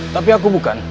tapi aku bukan